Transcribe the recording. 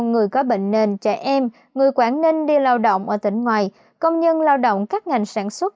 người có bệnh nền trẻ em người quảng ninh đi lao động ở tỉnh ngoài công nhân lao động các ngành sản xuất